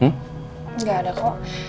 enggak ada kok